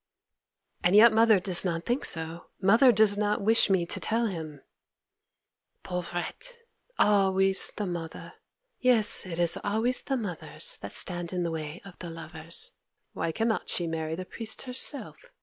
'And yet mother does not think so! Mother does not wish me to tell him!' 'Pauvrette! Always the mother! Yes, it is always the mothers that stand in the way of the lovers. Why cannot she marry the priest herself?